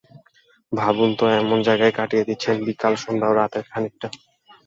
ভাবুন তো, এমন জায়গায় কাটিয়ে দিচ্ছেন বিকেল, সন্ধ্যা এবং রাতের খানিকটা।